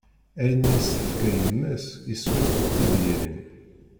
Ayen i as-d-tefka yemma-s, iswa-t d tibyirin.